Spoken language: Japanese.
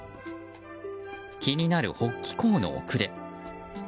気になる北帰行の遅れ。